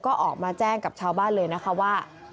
ก็ออกมาแจ้งกับชาวบ้านเลยนะคะว่า